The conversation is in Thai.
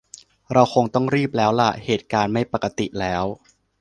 เราคงต้องรีบแล้วละ เหตุการณ์ไม่ปกติแล้ว